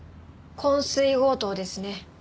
昏酔強盗ですね。